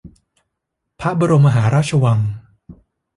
พระบรมมหาราชวัง